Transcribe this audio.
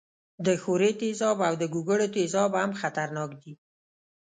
د ښورې تیزاب او د ګوګړو تیزاب هم خطرناک دي.